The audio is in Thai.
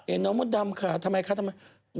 น้องมดดำค่ะทำไมคะทำไม